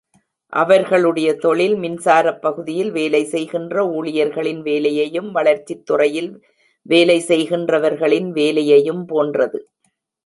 அவர்களுடைய தொழில் மின்சாரப் பகுதியில் வேலை செய்கின்ற ஊழியர்களின் வேலையையும், வளர்ச்சித் துறையில் வேலை செய்கிறவர்களின் வேலையையும் போன்றது.